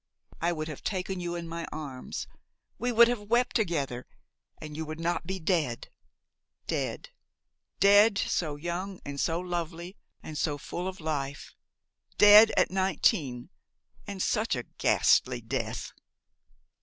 '–I would have taken you in my arms, we would have wept together, and you would not be dead. Dead! dead so young and so lovely and so full of life! Dead at nineteen and such a ghastly death!"